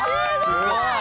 すごい！